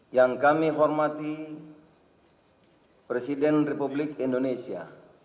yang kami hormati presiden republik indonesia